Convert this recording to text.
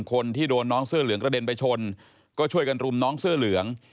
คนที่โดนน้องเสื้อเหลืองกระเด็นไปชนก็ช่วยกันรุมน้องเสื้อเหลือง